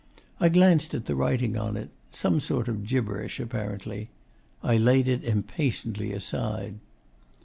I glanced at the writing on it some sort of gibberish, apparently. I laid it impatiently aside.